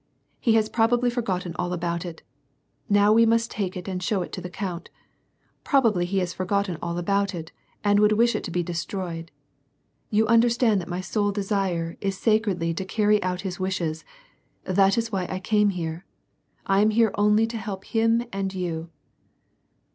He has probably forgotten all about it. Now we must take it and show it to the count. Prob ably he has forgotten all about it, and would wish it to be de stroyed. You understand that my sole desire is sacredly to carry out his wishes, and that is why I came here. I am here only to help him and you."